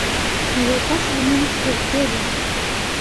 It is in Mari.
Но йолташыже мӧҥгыштӧ уке ыле.